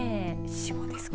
霜ですか。